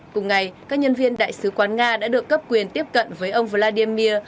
cùng ngày các nhân viên đại sứ quán nga đã được cấp quyền tiếp cận với ông vladimir